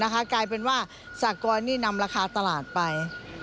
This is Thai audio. กลายเป็นว่าสากรนี่นำราคาตลาดไป